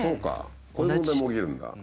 こういう問題も起きるんだ。